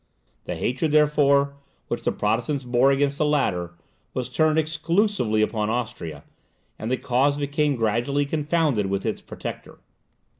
The hatred, therefore, which the Protestants bore against the latter, was turned exclusively upon Austria; and the cause became gradually confounded with its protector.